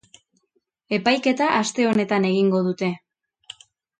Epaiketa aste honetan egingo dute.